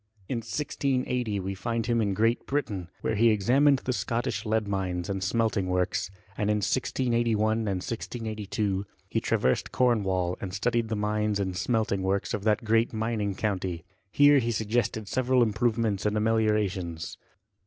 In 1680 we find him in Great Britain, where he examined the Scottish lead mines, and smelting works ; and in 1681, and 1682, he traversed Cornwall, and studied the mines and smeltingr works of that great mining county ; here he suggested several improvements and ameliorations.